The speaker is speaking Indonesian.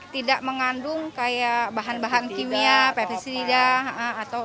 tidak mengandung kayak bahan bahan kimia pepsi tidak